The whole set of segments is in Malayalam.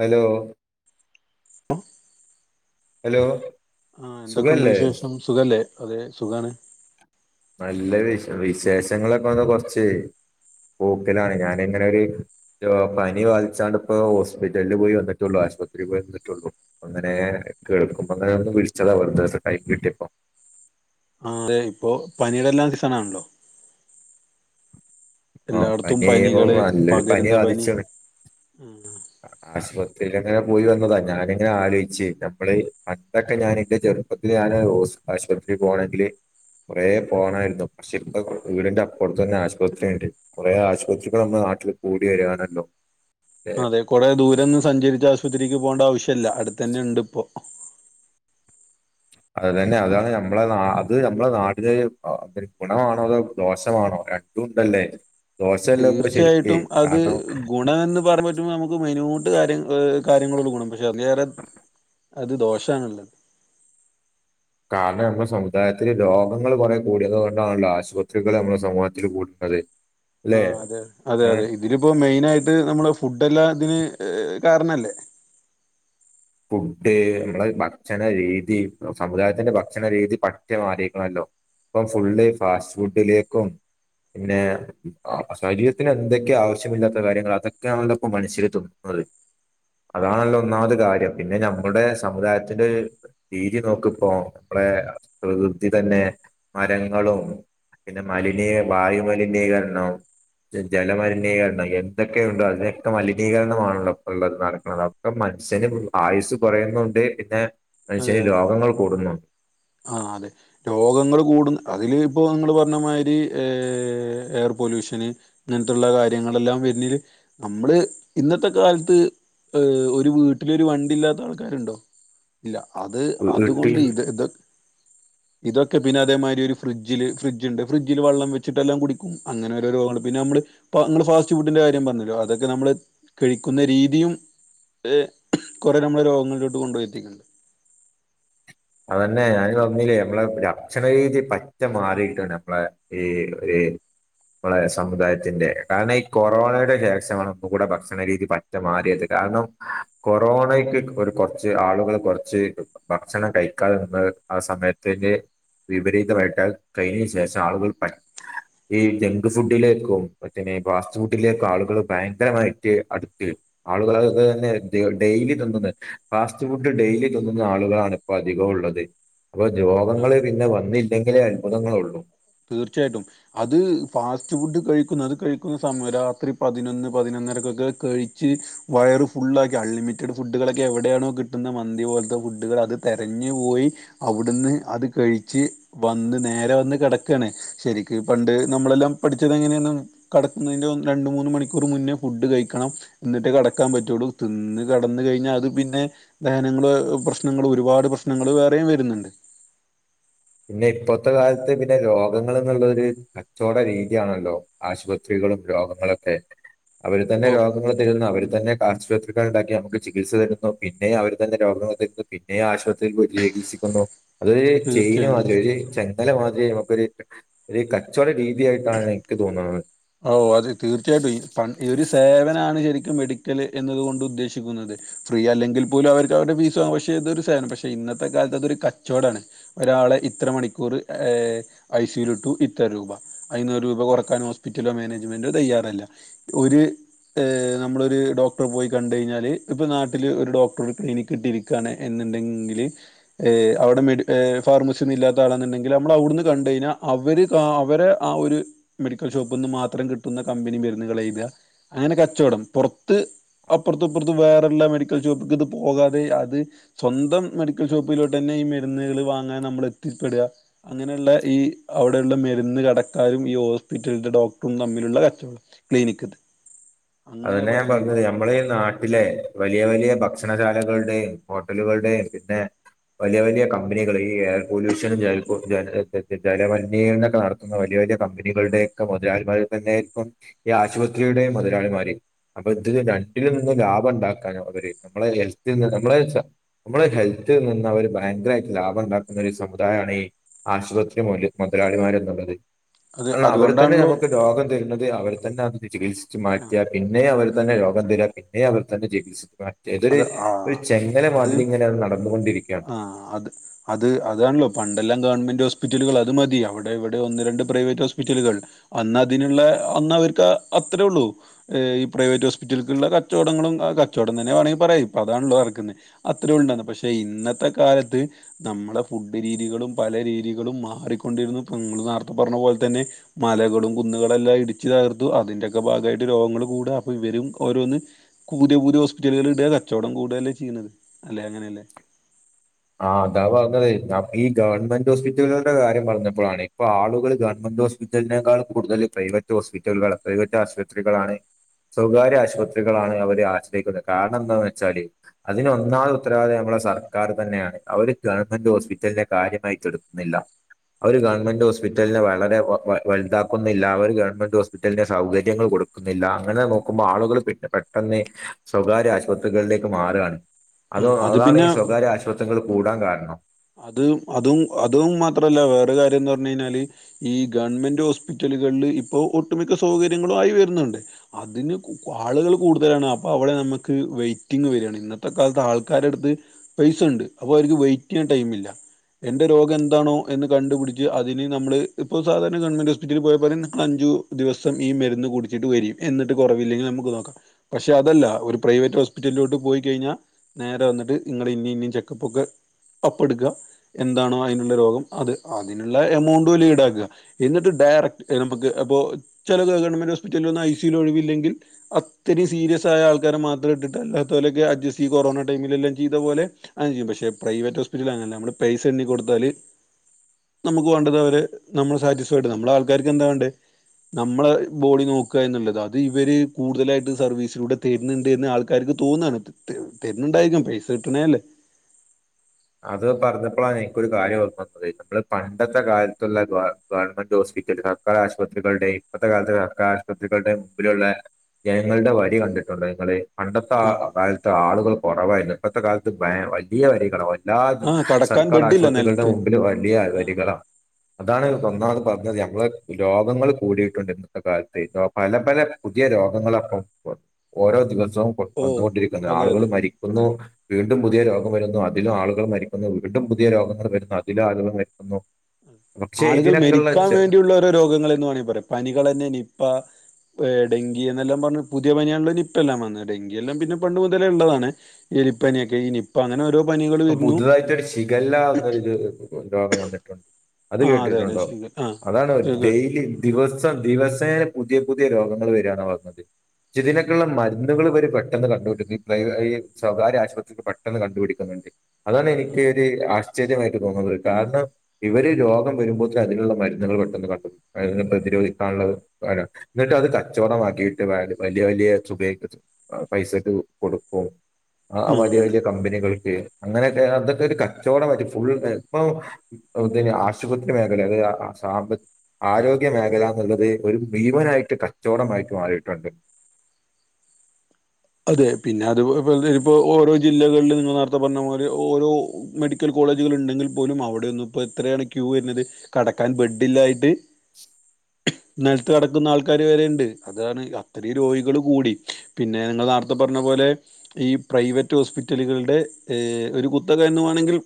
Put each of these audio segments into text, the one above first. ഹലോ ആ ഹലോ ആഹ് എന്തൊക്കെണ്ട് സുഖല്ലേ വിശേഷം സുഖല്ലേ അതെ സുഖാണ് നല്ല വിശ വിശേഷങ്ങളൊക്കെ വന്ന കൊറച്ച് പോക്കനാണ് ഞാന് ഇങ്ങനെ ഒരു പനി ബാധിച്ചാണ്ട് ഇപ്പോ ഹോസ്പിറ്റല്ല് പോയി വന്നിട്ടുള്ളു ആശുപത്രീന്ന് വന്നിട്ടുള്ളൂ അങ്ങനെ കേൾക്കുമ്പോ ഇങ്ങനെ ഒന്ന് വിളിച്ചതാ വെറുതെ ടൈം കിട്ടിയപ്പോ ആഹ് അതെ ഇപ്പൊ പനിയുടെ എല്ലാം സീസൺ ആണല്ലോ ആഹ് എല്ലായിടത്തും പനി [unintelligible] പനികള് നല്ലൊരു പനി പകരുന്ന ബാധിച്ച്ണ് ആ ആശുപത്രിയിൽ ഇങ്ങനെ പോയി വന്നതാ ഞാനിങ്ങനെ ആലോചിച്ച് നമ്മള് പണ്ടൊക്കെ ഞാൻ ഇൻ്റെ ചെറു അപ്പോത്തി ഞാന് ഹോസ് ആശുപത്രിൽ പോകണമെങ്കില് കുറേ പോണായിരുന്നു പക്ഷെ ഇപ്പ വീടിന്റെ അപ്പുറത്തന്നെ ആശുപത്രിണ്ട് കുറെ ആശുപത്രികൾ നമ്മളെ നാട്ടില് കൂടി വരുവാണല്ലോ അതെ കുറെ ദൂരൊന്ന് സഞ്ചരിച്ച് ആശുപത്രിക്ക് പോണ്ടെ ആവശ്യല്ല അടുത്ത് തന്നെണ്ട് ഇപ്പോ അതന്നെ അതാണ് നമ്മളെ അത് നമ്മളെ നാടില് ഒരു ഗുണമാണോ അതോ ദോഷമാണോ ര തൂണ്ടല്ലേ തീർച്ചയായിട്ടും അത് ഗുണവെന്ന് പറ നമുക്ക് മൈന്യൂട്ട് കാര്യ കാര്യങ്ങളളുക്കും പക്ഷെ അന്നേരം അത് ദോഷാണല്ലത് കാരണം നമ്മുടെ സമുദായത്തില് രോഗങ്ങൾ കുറെ കൂടിയത് കൊണ്ടാണല്ലൊ ആശുപത്രികള് നമ്മുടെ സമൂഹത്തില് കൂടുന്നത് അല്ലെ ആഹ് അതെ അതെ ഏഹ് അതെ ഇതിലിപ്പോ മെയിന് ആയിട്ട് നമ്മളെ ഫുഡ് എല്ലാം ഇതിന് കാരണല്ലേ ഫുഡ് നമ്മളെ ഭക്ഷണ രീതി സമുദായത്തിന്റെ ഭക്ഷണരീതി പറ്റെ മാറീക്കണല്ലോ ഇപ്പൊ ഫുള്ള് ഫാസ്റ്റ് ഫുഡിലേക്കും പിന്നെ ശരീരത്തിന് എന്തൊക്കെ ആവശ്യമില്ലാത്ത കാര്യങ്ങള് അതൊക്കെയാണല്ലോ ഇപ്പൊ മനുഷ്യര് തിന്നുന്നത് അതാണല്ലൊ ഒന്നാമത് കാര്യം പിന്നെ ഞമ്മുടെ സമുദായത്തില് രീതി നോക്ക് ഇപ്പോ നമ്മുടെ പ്രകൃതി തന്നെ മരങ്ങളും പിന്നെ മലിനീ വായു മലിനീകരണം ജല മലിനീകരണം എന്തൊക്കെ ഉണ്ടോ അതിനൊക്കെ മലിനീകരണമാണല്ലോ ഇപ്പൊ ഉള്ളത് നടക്കുന്നത അപ്പൊ മനുഷ്യന് ആയുസ് കുറയുന്നുണ്ട് പിന്നെ അതെ മനുഷ്യന് രോഗങ്ങൾ കൂടുന്നു ആഹ് അതെ രോഗങ്ങള് കൂടുന്ന് അതില് ഇപ്പോ നിങ്ങള് പറഞ്ഞമായിരി ഏ എയർ പൊല്യൂഷ്യന് ഇങ്ങനത്തുള്ള കാര്യങ്ങളെല്ലാം വരുന്നില് നമ്മള് ഇന്നത്തെ കാലത്ത് ഏഹ് ഒരു വീട്ടിലൊരു വണ്ടി ഇല്ലാത്ത ആൾക്കാര്ണ്ടോ ഇല്ല അത് വീ- അത് വീട്ടിൽ കൊണ്ട് ഇത് ഇത് ഇതൊക്കെ പിന്നെ അതേമാരി ഒരു ഫിഡ്ജില് ഫ്രിഡ്ജിണ്ട് ഫിഡ്ജില് വെള്ളം വെച്ചിട്ടെല്ലാം കുടിക്കും അങ്ങനെ ഓരോ രോഗങ്ങള് പിന്നെ നമ്മള് ഇപ്പൊ ഇങ്ങള് ഫാസ്റ്റ് ഫുഡിന്റെ കാര്യം പറഞ്ഞല്ലോ അതൊക്കെ നമ്മള് കഴിക്കുന്ന രീതിയും ത് കുറേ നമ്മളെ രോഗങ്ങളിലോട്ട് കൊണ്ടോയി എത്തിക്കുന്നു അതന്നെ ഞാന് പറഞ്ഞില്ലേ നമ്മളെ ഭക്ഷണ രീതി പറ്റ മാറിയിട്ട് നമ്മളെ ഈ ഒര് നമ്മളെ സമുദായത്തിന്റെ കാരണം ഈ കൊറോണയുടെ ശേഷമാണ് ഒന്നും കൂടെ ഭക്ഷണ രീതി പ റ്റ മാറിയത് കാരണം കൊറോണക്ക് ഒരു കുറച്ച് ആളുകള് കുറച്ച് ഭക്ഷണം കഴിക്കാതെ നിന്ന് ആഹ് സമയത്തില് വിപരീതമായിട്ട കഴിഞ്ഞേന് ശേഷ ആളുകള് പ ഈ ജങ്ക് ഫുഡിലേക്കും മറ്റേ ഫാസ്റ്റ് ഫുഡിലേക്കു ആളുകള് ഭയങ്കരമായിട്ട് അടുത്ത്. ആളുകള് അത് തന്നെ ഡെയിലി തിന്നുന്ന് ഫാസ്റ്റ് ഫുഡ് ഡെയിലി തിന്നുന്ന ആളുകളാണ് ഇപ്പോ അധികമുള്ളത് അപ്പൊ ആ രോഗങ്ങള് പിന്നെ വന്നില്ലെങ്കിലേ അത്ഭുതങ്ങളൊള്ളൂ തീർച്ചയായിട്ടും അത് ഫാസ്റ്റ് ഫുഡ് കഴിക്കുന്ന അത് കഴിക്കുന്ന സമയം രാത്രി പതിനൊന്ന് പതിനൊന്നരക്കൊക്കെ കഴിച്ച് വയറ് ഫുള്ളാക്കി അൺലിമിറ്റഡ് ഫുഡുകളൊക്കെ എവിടെയാണോ കിട്ടുന്നത് മന്തി പോലത്തെ ഫുഡുകൾ അത് തരഞ്ഞ് പോയി അവ്ട്ന്ന് അത് കഴിച്ച് വന്ന് നേരെ വന്ന് കിട ക്കാണെ ശരിക്ക് പണ്ട് നമ്മളെല്ലാം പഠിച്ചത് എങ്ങനെയാണ് കടക്കുന്നതിന്റെ രണ്ട് മൂന്ന് മണിക്കൂർ മുന്നേ ഫുഡ് കഴിക്കണം ന്ന്ട്ട് കടകാം പറ്റുള്ളൂ തിന്ന് കടന്ന് കഴിഞ്ഞാ അത് പിന്നെ ദഹനങ്ങള് പ്രശ്നങ്ങള് ഒരുപാട് പ്രശ്നങ്ങള് വേറെയും വര്ന്ന്ണ്ട് പിന്നെ ഇപ്പോത്തെ കാലത്ത് പിന്നെ രോഗങ്ങള് എന്നുള്ളൊരു കച്ചവട രീതിയാണല്ലോ ആശുപത്രികളും രോഗങ്ങളൊക്കെ അവർ തന്നെ ഓ രോഗങ്ങള് തരുന്ന് അവര് തന്നെ ആശുപത്രികൾ ഉണ്ടാക്കിമുക്ക് ചികിത്സ തരുന്നു പിന്നെ അവർ തന്നെ രോഗങ്ങൾ തരുന്നു പിന്നെ ആശു ചികിത്സിക്കുന്നു അത് ചെയ് തീർച്ചയായും തീർച്ചയായും ഒരു ചെങ്ങല മാതിരി നമുക്കൊരു കച്ചവട രീതിയായിട്ടാണ് എനിക്ക് തോന്നുന്നത് ഓ അത് തീർച്ചയായിട്ടും ഈ ഒരു സേവനാണ് ശരിക്കും മെഡിക്കല് എന്നത്കൊണ്ട് ഉദ്ദേശിക്കുന്നത് ഫ്രീ അല്ലെങ്കിൽ പോലും അവർക്ക് അവരുടെ ഫീസ് പക്ഷെ ഇതരു സേനം പക്ഷേ ഇന്നത്തെ കാലത്ത് അതൊരു കച്ചോടാണ് ഒരാളെ ഇത്ര മണിക്കൂർ ഐസിലിട്ടു ഇത്ര രൂപ അയ്ന്ന് ഒരു രൂപ കുറക്കാൻ ഹോസ്പിറ്റലോ മേനേജ്മെന്റോ തയ്യാറല്ല ഒര് നളൊരു ഡോക്ടറെ പോയി കണ്ട കഴിഞ്ഞാല് ഇപ്പൊ നാട്ടില് ഒരു ഡോക്ടർ ഒരു ക്ലിനനിക് കിട്ടിയിരി ക്കാണ് എന്ന്ണ്ടെങ്കില് അവിടെ മെഡി ഫാർമസില്ലാത്ത ഇല്ലാത്ത ആളാെന്നുണ്ടെങ്കിൽ നമ്മൾ അവുട്ന്ന് കണ്ട കഴിഞ്ഞാ അവര് അവരെ ആഹ് ഒര് ഷോപ്പ്ന്ന് മാത്രം കിട്ടുന്ന കമ്പനി മര്ന്ന്കള് എയ്ത അങ്ങനെ കച്ചോടം പുറത്ത് അപ്പുറ്ത്ത് ഇപ്പറ്തും വേറെല്ലാ മെഡിക്കൽ ഷോപ്പ്ക്ക് ഇത് പോകാതെ അത് സ്വന്തം മെഡിക്കൽ ഷോപ്പിലോട്ട് തന്നെ ഈ മരുന്നുകൾ വാങ്ങാൻ നമ്മൾ എത്തിപ്പെടുക അങ്ങനെയുള്ള ഈ അവിടെയുള്ള മരുന്ന് കടക്കാരും ഈ ഹോസ്പിറ്റലിൽ - ഹോസ്പിറ്റലിന്റെ ഡോക്ടറും തമ്മിലുള്ള കച്ചവടം ക്ലിനിക്ക്‌ അത് തന്നെ ഞാൻ പറഞ്ഞത് നമ്മളെ ഈ നാട്ടിലെ- വലിയ വലിയ ഭക്ഷണശാലകളുടെയും ഹോട്ടലുകളുടെയും പിന്നെ- വലിയ വലിയ കമ്പനികൾ ഈ എയർ പൊല്യൂഷന ജലമലിനീരണംങ്ങൾ നട- വലിയ വലിയ കമ്പനികളുടെ ഒക്കെ മുതലളിമാരി തന്നെയായിയിരിക്കും ഈ ആശുപത്രിയുടെയും മുതലാളിമാര് അപ്പൊ ഇതിന് രണ്ടിൽ നിന്ന് ലാഭം ഉണ്ടാക്കാനും അവര് നമ്മളെ ഹെത്തിൽന്ന് നമ്മള് എന്ന് വെച്ചാ - നമ്മള് ഹെൽത്തിൽ നിന്ന് അവർ ഭയങ്കരമായിട്ട് ലാഭം ഇണ്ടാക്കുന്ന ഒരു സമുദായമാണേ - ആശുപത്രി മൊതല് മുതലാളിമാർ എന്നുള്ളത് അത് അല്ല അവർ തന്നെ അതുകൊണ്ടാണല്ലോ നമുക്ക് രോഗം തരുന്നത് അവർ തന്നെ അത് ചികിത്സച്ച് മാറ്റും ആ യാണ് പിന്നേ അവർ തന്നെ രോഗം തരിക പിന്നേ അവർ തന്നെ ചികിത്സിക്കുക ഇതൊരു അത് ആ ഒരു ചെങ്ങല മാതിരി ഇങ്ങനെ അത് നടന്നുകൊണ്ടിരിക്കുകയാണ് ആഹ് അത് അത് അതാണല്ലോ പണ്ടെല്ലാം ഗവൺമെൻറ് ഹോസ്പിറ്റലുകൾ അത് മതി അവിടെ ഇവിടെ ഒന്ന് രണ്ട് പ്രൈവറ്റ് ഹോസ്പിറ്റലുകൾ അന്ന് അതിനുള്ള അന്ന് അവർക്ക് അത്രേ ഉള്ളൂ ഈ പ്രവറ്റ് ഹോസ്പിറ്റലക്കുള്ള കച്ചവടങ്ങളും ആ കച്ചവടം തന്നെ വേണെങ്കിൽ- പറയാം ഇപ്പൊ അതാണല്ലോ ഇറക്കുന്നത് അത്ര ഉണ്ടന്ന് പക്ഷെ ഇന്നത്തെ കാലത്ത്- നമ്മളെ ഫുഡ് രീതികളും പല രീതികളും മാറിക്കൊണ്ടിരുന്നു നിങ്ങൾ നേർത്തെ പറഞ്ഞ പോലെ തന്നെ മലകളും കുന്നുകളും എല്ലാം ഇടിച്ച് തകർത്തു അതിന്റെയൊക്കെ ഭാഗമായിട്ട് രോഗങ്ങള് കൂടുവാ അപ്പൊ ഇവരും ഓരോന്ന്- പുതിയ പുതിയ ഹോസ്പിറ്റലുകൾ ഇട കച്ചവടം കൂടതല്ലേ ചെയ്യുന്നത് അല്ലെ അങ്ങനെയല്ലേ ആഹ് അതാ പറഞ്ഞത് ഈ ഗവൺമെന്റ് ഹോസ്പിറ്റലുകളുടെ കാര്യം പറഞ്ഞപ്പോഴാണ് ഇപ്പൊ ആളുകൾ ഗവൺമെന്റ് ഹോസ്പിറ്റലിലാണ് - ഇതിനേക്കാൾ കൂടുതൽ പ്രൈവറ്റ് ഹോസ്പിറ്റലുകൾ പ്രൈവറ്റ് ആശുപത്രികളാണ് സ്വകാര്യ ആശുപത്രികളാണ് അവര് ആശ്രയിക്കുന്നത് കാരണം എന്താന്ന് വെച്ചാല് അതിന് ഒന്നാം ഉത്തരവാദി നമ്മളെ സർക്കാര് തന്നെയാണ് അവര് ഗവൺമെന്റ് ഹോസ്പിറ്റലിന്റെ കാര്യമായിട്ട് എടുക്കുന്നില്ല അവര് ആ ഗവൺമെന്റ് ഹോസ്പിറ്റലിനെ വളരെ വലുതാക്കുന്നില്ല അവര് ഗവൺമെന്റ് ഹോസ്പിറ്റലിന് സൗകര്യങ്ങള് കൊടു- പിന്നെ അങ്ങനെ നോക്കുമ്പോൾ ആളുകൾ പെട്ടെന്ന് സ്വകാര്യ ആശുപത്രികളിലേക്ക് മാറുകയാണ് അത് ആ, അതാണ് ഈ പിന്നെ സ്വകാര്യ ആശുപത്രികൾ കൂടാൻ കാരണം അത് അതും അതും മാത്രല്ല വേറെ കാര്യയെന്ന് പറഞ് കഴിഞ്ഞാല്- ഈ ഗവൺമെന്റ് ഹോസ്പിറ്റലുകളില് ഇപ്പൊ ഒട്ടുമിക്ക സൗകര്യങ്ങളും ആയി വരുന്നുണ്ട് അതിന് ആളുകൾ കൂടുതലാണ് അപ്പൊ അവിടെ നമുക്ക് വെ്റ്റിംഗങ് വെരുവാണ് ഇന്നത്തെ കാലത്ത് ആൾക്കാരുടെ അടുത്ത് പൈസ ഉണ്ട് അപ്പൊ അവർക്ക് വെയിറ്റ് ചെയ്യാൻ ടൈമില്ല എന്റെറെ രോഗം എന്താണോ എന്ന് കണ്ടുപിടിച്ച് അതിന് നമ്മള് ഇപ്പോൾ സാധാരണ ഗവൺമെന്റ് ഹോസ്പിറ്റലിൽ പോയാ പറ നിങ്ങൾ അഞ്ചു- ദിവസം ഈ മരുന്ന് കുടിച്ചിട്ട് വെരി എന്നിട്ട് കൊറവില്ലെങ്കിൽ നമുക്ക് നോക്കാം പക്ഷെ അതല്ല ഒരു പ്രൈവറ്റ് ഹോസ്പിറ്റലിലോട്ട് പോയി കഴിഞ്ഞാ- നേരെ വന്നിട്ട് നിങ്ങള് ഇനിയും ഇനിയും ചെക്കപ്പ് ഒക്കെ- ഒപ്പടുക്കുക എന്താണോ അതിനുള്ള രോഗം അത് അതിനുള്ള എമൗണ്ട് പോലെ ഈടാക്കുക എന്നിട്ട് ഡയറക്ട് നമുക്ക് അപ്പോ ചെല ഗവൺമെന്റ് ഹോസ്പിറ്റലിൽ ഒന്നും ഐ സി യുവിൽ ഒഴിവില്ലെങ്കിൽ- ഒത്തിരി സീരിയസ് ആയ ആൾക്കാരെ മാത്രം ഇട്ടിട്ട് അല്ലാത്തോലെ അഡ്ജസ്റ്റ് ഈ കൊറോണ ടൈമിലെല്ലാം ചെയ്ത പോലെ- അങ്ങനെ ചെയ്യും പക്ഷേ പ്രൈവറ്റ് ഹോസ്പിറ്റലില് അങ്ങനെയല്ല നമ്മള് പൈസ എണ്ണി കൊടുത്താല്- നമുക്ക് വേണ്ടത് അവര് നമ്മള് സാറ്റിസ്ഫൈഡ് നമ്മളെ ആൾക്കാർക്ക് എന്താ വേണ്ടേ നമ്മളെ ബോഡി നോക്കുക എന്നുള്ളത് അത് ഇവര് കൂടുതലായിട്ട് സർവീസിലൂടെ തരുന്നുണ്ട്ന്ന് ആൾ ക്കാർക്ക് തോന്നാണ് തരുന്നുണ്ടായിരിക്കും പൈസ കിട്ടണേയല്ലേ അത് പറഞ്ഞപ്പോളാണ് എനിക്കൊരു കാര്യം ഓർമ്മ വന്നത് നമ്മള് പണ്ടത്തെ കാലത്തുള്ള ആ- ഗവൺമെന്റ് ഹോസ്പിറ്റൽ സർക്കാർ ആശുപത്രികളുടെ ഇപ്പത്തെ കാലത്തെ സർക്കാർആശുപത്രികളുടെ മുമ്പിലുള്ള- ജനങ്ങളുടെ വഴി കണ്ടിട്ടുണ്ടോ ഞള് പണ്ടത്താ ആ കാലത്ത് ആളുകള് കൊറവായിരുന്നു ഇപ്പത്തെ കാലത്ത് വലിയ വരികളാ വ എല്ലാ ആ കടക്കാൻ സർക്കാർ ബെഡില്ല ആശുപത്രികളുടെ നിലത്ത് മുമ്പിലും വലിയ ആ വരികളാ ആ അതാണ്പ്പം ഒന്നാമത് പർഞ്ഞത് ഞമ്മള് രോഗങ്ങള് കൂടിയിട്ടുണ്ട് ഇന്നത്തെ കാലത്തെ പല പല പുതിയ രോഗങ്ങളാപ്പം ഓരോ ദിവസവും കൊ ഓ കൊന്നുകൊണ്ടിരിക്കുന്നു അതെ ആളുകള് അതെ മരിക്കുന്നു വീണ്ടും പുതിയ രോഗം വരുന്നു അതിലും ആള് ളുകള് മരിക്കുന്നു വീണ്ടും പുതിയ രോഗങ്ങള് വരുന്നു അതിലും ആളുകള് മരിക്കുന്നു പക്ഷെ ആളുകൾ ഇതിനൊക്കെയുള്ള മരിക്കാൻ ചെ- വേണ്ടിയുള്ളോരോ രോഗങ്ങളെന്ന് വാണെങ്കി പറയാ പനികളെന്നെ നിപ്പ ഡെങ്കി എന്നെല്ലാം പർഞ്ഞ് പുതിയ പനികള് നിപ്പെല്ലാം വന്ന് ഡെങ്കിയെല്ലാം പിന്നെ പണ്ട് മുതലേ ഉള്ളതാണ് എലിപ്പനിയൊക്കെ ഈ നി പ്പങ്ങനോരോ പനികള് പ്പ പുതുതായിട്ടൊരു ഷിഗല്ല ന്നൊരു രോഗം വന്നിട്ടുണ്ട് അത് ആ അതെ അതെ കേട്ടിട്ടുണ്ടോ ശരികൾ ആ അതാണ് ശരികൾ ഡെയ്ലി ദിവസം ദിവസേന പുതിയ പുതിയ രോഗങ്ങൾ വെര്യാന്നാ പർഞ്ഞത് ജ്ജിതിനൊക്കെള്ള മരുന്നുകള് ഇവര് പെട്ടെന്ന് കണ്ടു പിടിക്കും പ്രൈ ഈ സ്വകാര്യ ആശുപത്രി പെട്ടെന്ന് കണ്ടുപിടിക്കുന്നുണ്ട് അതാണ് ആ ഇൻക്കൊര് ആശ്ചര്യമായിട്ട് തോന്നുന്നത് കാരണം ഇവര് രോഗം വെരുമ്പോത്ത്ന് അതിനുള്ള മരുന്നുകള് പെട്ടെന്ന് കണ്ടു അത്നെ പ്രതിരോധിക്കാനുള്ളത് [unintelligible] ന്ന്ട്ടത് കച്ചോടമാക്കിട്ട് വാ വലിയ വലിയ തുകയൊക്കെ ചോ ആ പൈസക്കെ കൊടുക്കും ആ ഉം, വലിയ ആണ് വലിയ കമ്പനികൾക്ക് അങ്ങനൊക്കെ അതൊക്കെ ഒരു കച്ചവടായിട്ട് ഫുൾ ഇപ്പം ഔ എന്തെന് ആശുപത്രി മേഖല അതായ സാമ്പ ആരോഗ്യ മേഖലന്ന്ള്ളത് ഒരു ഭീമനായിട്ട് കച്ചോടമായിട്ട് മാറിയിട്ടുണ്ട് അതെ പിന്നെ അത് ഇ ഇപ്പോ ഓരോ ജില്ലകൾലും നിങ്ങൾ നേര്ത്തെ പർഞ്ഞ പോലെ ഓരോ മെഡിക്കൽ കോളേജുകൾ ണ്ടെങ്കിൽ പോലും അവിടെയൊന്നും പ്പെത്രേണ് ക്യൂ വെര്ന്നത് കെടക്കാൻ ബെഡില്ലായിട്ട് നെൽത്ത് കെടക്കുന്ന ആൾക്കാര് വെരെണ്ട് അതാണ് അത്രേം രോഗികൾ കൂടി പിന്നെ ങ്ങള് നാർത്തെ പർഞ്ഞ പോലെ ഈ പ്രൈവറ്റ് ഹോസ്പിറ്റലുകളുടെ ഏ ഒരു കുത്തക എന്നു വാണെങ്കി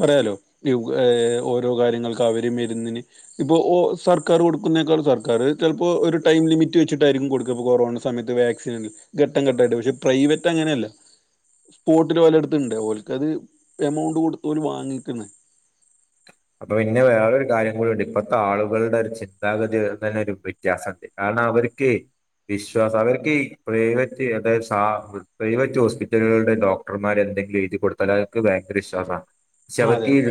പറയാലോ ഏഹ് ഓരോ കാര്യങ്ങക്ക് അവര് മെര്ന്നിന് ഇപ്പോ ഓ സർക്കാര് കൊടുക്കുന്നേക്കാളും സർക്കാര് ചെൽപ്പോ ഒരു ടൈം ലിമിറ്റ് വെച്ചിട്ടായിരിക്കും കൊടുക്ക കൊറോണ സമയത്ത് വാക് ഘട്ടം ഘട്ടായിട്ട് പക്ഷെ പ്രൈവറ്റങ്ങനല്ല സ്പോട്ടിലോട്ത്ത്ണ്ട് ഓൽക്കത് എമൗണ്ട് കൊട്ത്തോല് വാങ്ങിക്ക്‌ന്ന് അപ്പൊ പിന്നെ വേറൊരു കാര്യം കൂടിണ്ട് ഇപ്പഴത്തെ ആളുകളുടൊ ര് ചിന്താഗതി വെര്ന്നേന് ഒരു വ്യത്യാസണ്ട് കാരണം അവര്ക്കെ വിശ്വാസം അവർക്ക് ഈ പ്രൈവറ്റ് അതായത് സാ പ്രൈവറ്റ് ഹോസ്പിറ്റലുകളുടെ ഡോക് ഡോക്ടർമാര് എന്തെങ്കിലും എഴുതി കൊടുത്താല് അവർക്ക് ഭയങ്കര വിശ്വാസാ പക്ഷെ ആ അതെ അവർക്ക് അതെ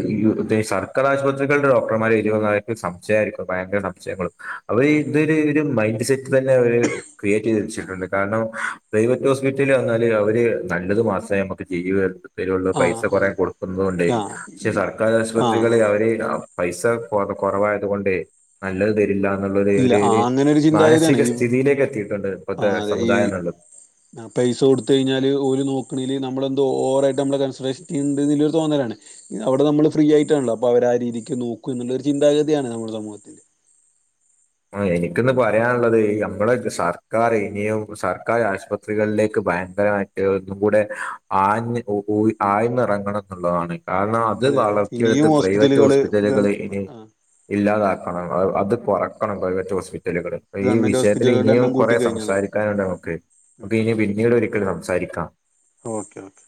ഇതേ സാ മിക്ക ആശുപത്രികളുടെ [unintelligible] സംശയമായിരിക്കും ഭയങ്കര സംശയങ്ങള് അവര് അതെ ഇതൊരു ഒരു മൈൻഡ് സെ തന്നെ അവര് ക്രിയേറ്റെയ്തെച്ചിട്ടുണ്ട് കാരണം പ്രൈവറ്റ് ഹോസ്പിറ്റല് വന്നാല് അവര് നല്ലത് മാത്രേ നമ്മക്ക്‌ ജീവിതത്തിലുള്ള ആ ആ പൈസ കൊറേ അതെ കൊടുക്കുന്നത് കൊണ്ടെ ആ പക്ഷെ ഈ സർക്കാരാശുപ ആ ആ പൈസ കൊ കൊറവായത് കൊണ്ടെ നല്ലത് തെരില്ലാന്നുള്ളൊര് ഇല്ല ഒര് ആ അങ്ങനെ ഒരു ചിന്താഗതിയാണ് മാനസിക ഈ സ്ഥിതിയിലേക്ക് എത്തിയിട്ടുണ്ട് ആ ഇപ്പത്തെ അതെ ഈ സമുദായം ന്ന്ള്ളത് ആ പൈസ കൊട്ത്തയ്ഞ്ഞാല് ഓര് നോക്ക്‌ണേല് നമ്മളെന്തോ ഓവറായിട്ട് നമ്മളെ കൺസറേഷൻ ചെയ്യ്ന്ന്ണ്ട് ന്ന്ള്ള തോന്നലാണ് അവടെ നമ്മള് ഫ്രീയായിട്ടാൺല്ലോ അപ്പൊ അവരാ രീതിക്ക് നോക്കുംന്ന്ള്ളൊര് ചിന്താഗതിയാണ് നമ്മുടെ സമൂഹത്തിന് ആ എനിക്കിന്ന് പറയാള്ളത് നമ്മളെ സർക്കാര് ഇനിയും സർക്കാർ ആശുപത്രികളിലേക്ക് ഭയങ്കരമായി കൂടെ ആ ആഴന്ന ഇറങ്ങണം എന്നുള്ളതാണ് [unintelligible] കാരണം അത് അതെ അതെ ഇനിയും വളർത്തിയെടുത്ത് പ്രൈവറ്റ് ഹോസ്പിറ്റലുകള് ഗവൺ ഹോസ്പിറ്റലുകളി ഇനി ആ ഇല്ലാതാക്കണം അത് കൊറക്കണം പ്രൈവറ്റ് ഹോസ്പിറ്റലുകള് ഈ ഗവൺമെന്റ് വിഷയത്തിൽ ഹോസ്പിറ്റലുകളുടെ ഇനിയും എണ്ണം കുറെേ കൂട്ടിക്കഴിഞ്ഞാൽ നടക്കും സംസാരിക്കാനുണ്ട് നമുക്ക് ഉം. ഇനി പിന്നീട് ഒരിക്കലൽ സംസാരിക്കാം ഓക്കെ ഓക്കെ